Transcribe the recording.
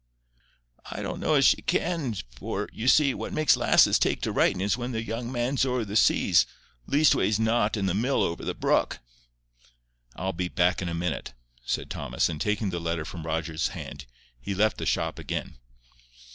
"I don't know as she can, for, you see, what makes lasses take to writin' is when their young man's over the seas, leastways not in the mill over the brook." "I'll be back in a minute," said Thomas, and taking the letter from Rogers's hand, he left the shop again.